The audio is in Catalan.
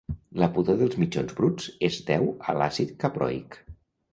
La pudor dels mitjons bruts es deu a l'àcid caproic.